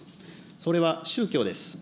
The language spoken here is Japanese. それは宗教です。